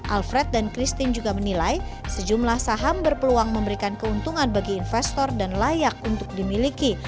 alfred dan christine juga menilai sejumlah saham berpeluang memberikan keuntungan bagi investor dan layak untuk dimiliki